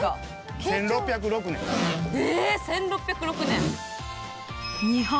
１６０６年。